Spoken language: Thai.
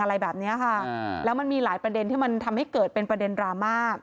อะไรแบบนี้ค่ะแล้วมันมีหลายประเด็นที่มันทำให้เกิดเป็นประเด็นดราม่า